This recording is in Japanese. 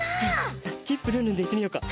じゃあスキップルンルンでいってみよっか！